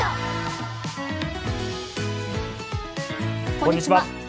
こんにちは。